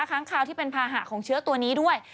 ค้างคาวที่เป็นภาหะของเชื้อตัวนี้ด้วย